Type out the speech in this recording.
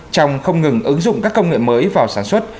trong không ngừng ứng dụng các công nghệ mới vào sản xuất